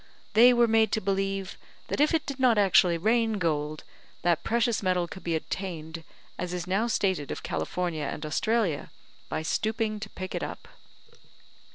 They were made to believe that if it did not actually rain gold, that precious metal could be obtained, as is now stated of California and Australia, by stooping to pick it up.